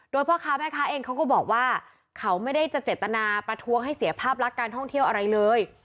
โดยพ่อค้าแม่ค้าเองเขาก็บอกว่าเขาไม่ได้จะเจตนาประท้วงให้เสียภาพลักษณ์การท่องเที่ยวอะไรเลย